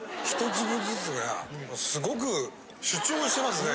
１粒ずつがすごく主張してますね。